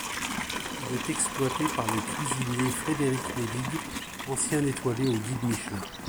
Il est exploité par le cuisinier Frédéric Médigue, ancien étoilé au Guide Michelin.